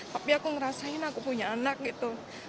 tapi aku ngerasain aku punya anak gitu